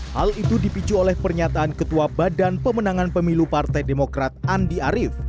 hal itu dipicu oleh pernyataan ketua badan pemenangan pemilu partai demokrat andi arief